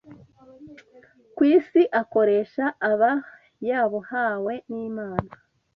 ku isi akoresha aba yabuhawe n’Imana,